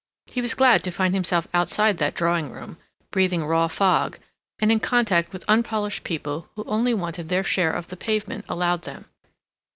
He was glad to find himself outside that drawing room, breathing raw fog, and in contact with unpolished people who only wanted their share of the pavement allowed them.